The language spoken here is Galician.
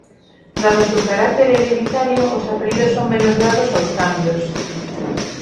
Dado o seu carácter hereditario, os apelidos son menos dados aos cambios.